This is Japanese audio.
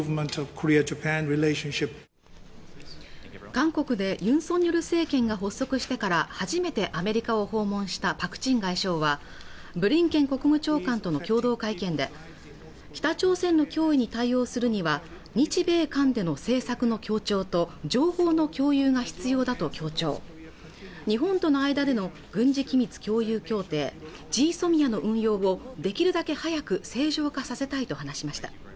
韓国でユン・ソンニョル政権が発足してから初めてアメリカを訪問したパク・チン外相はブリンケン国務長官との共同会見で北朝鮮の脅威に対応するには日米韓での政策の協調と情報の共有が必要だと強調日本との間での軍事機密共有協定＝ＧＳＯＭＩＡの運用をできるだけ早く正常化させたいと話しました